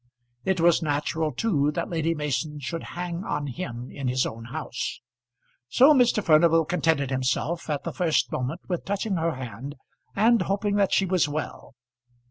It was natural, too, that Lady Mason should hang on him in his own house. So Mr. Furnival contented himself at the first moment with touching her hand and hoping that she was well.